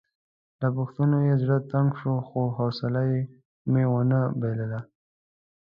له پوښتنو یې زړه تنګ شو خو حوصله مې ونه بایلله.